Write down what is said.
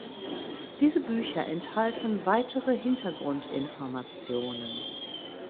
Diese Bücher enthalten weitere Hintergrundinformationen.